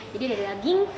jadi ada daging